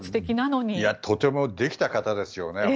とてもできた方ですよね。